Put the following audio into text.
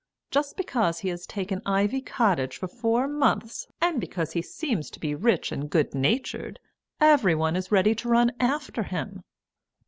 Just because he has taken Ivy Cottage for four months, and because he seems to be rich and good natured, every one is ready to run after him."